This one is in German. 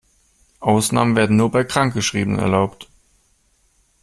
Ausnahmen werden nur bei Krankgeschriebenen erlaubt.